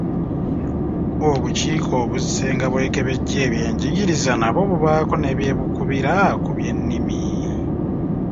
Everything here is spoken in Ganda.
Obukiiko obuzzenga bwekebejja ebyenjigiriza nabwo bubaako ne bye bukubira ku by’ennimi.